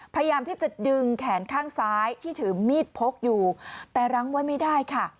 พยายามที่จะดึงแขนข้างซ้ายที่ถือมีดพกอยู่แต่รั้งไว้ไม่ได้ค่ะ